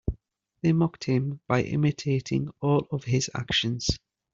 They mocked him by imitating all of his actions.